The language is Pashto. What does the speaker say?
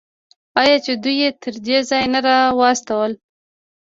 آیا چې دوی یې تر دې ځایه نه راوستل؟